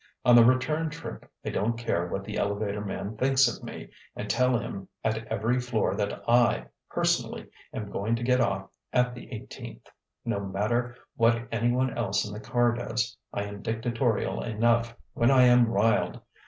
On the return trip I don't care what the elevator man thinks of me, and tell him at every floor that I, personally, am going to get off at the eighteenth, no matter what any one else in the car does. I am dictatorial enough when I am riled.